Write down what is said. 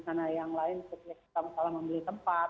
misalnya salah membeli tempat